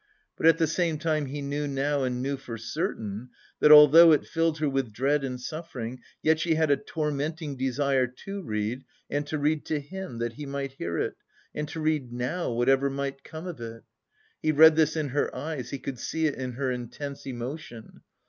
But at the same time he knew now and knew for certain that, although it filled her with dread and suffering, yet she had a tormenting desire to read and to read to him that he might hear it, and to read now whatever might come of it!... He read this in her eyes, he could see it in her intense emotion.